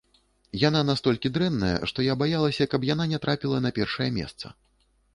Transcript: Яна настолькі дрэнная, што я баялася, каб яна не трапіла на першае месца.